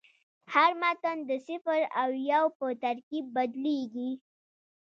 هر متن د صفر او یو په ترکیب بدلېږي.